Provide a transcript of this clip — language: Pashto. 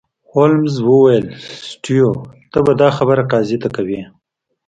هولمز وویل سټیو ته به دا خبره قاضي ته کوې